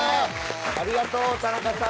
ありがとう「田中」さん。